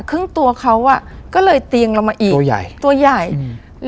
ตัวเขาอ่ะก็เลยเตียงเรามาอีกตัวใหญ่ตัวใหญ่อืม